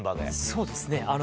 そうですね。